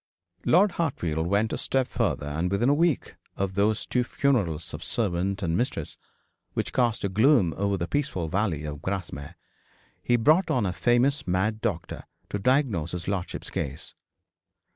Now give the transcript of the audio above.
Lord Hartfield went a step farther; and within a week of those two funerals of servant and mistress, which cast a gloom over the peaceful valley of Grasmere, he brought down a famous mad doctor to diagnose his lordship's case.